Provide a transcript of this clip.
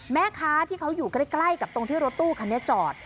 แม่ค้าที่เขาอยู่ใกล้กับตรงที่รถตู้คันนี้จอด